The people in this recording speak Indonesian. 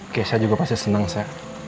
kesha juga pasti seneng sa